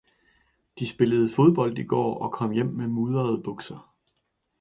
De spillede fodbold i går og kom hjem med mudrede bukser.